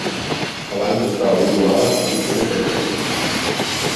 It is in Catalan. Abans estava vinculada a Victor Entertainment.